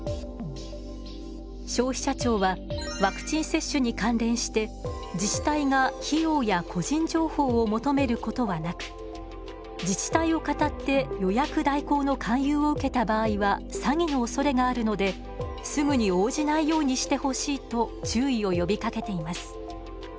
消費者庁はワクチン接種に関連して自治体が費用や個人情報を求めることはなく自治体をかたって予約代行の勧誘を受けた場合は詐欺のおそれがあるのですぐに応じないようにしてほしいと注意を呼びかけています。